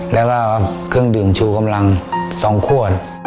แล้วก็เครื่องดื่มชูกำลัง๒ขวด